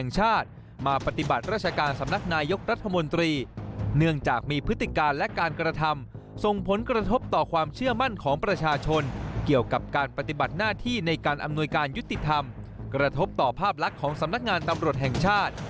เจาะประเด็นจากรายงานครับ